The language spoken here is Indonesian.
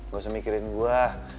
gak usah mikirin gue